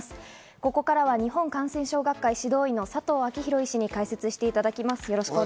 ここからは日本感染症学会・指導医の佐藤昭裕医師に解説していただきます。